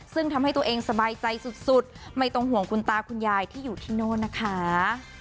ซึ่งทำให้ตัวเองสบายใจสุดไม่ต้องห่วงคุณตาคุณยายที่อยู่ที่โน่นนะคะ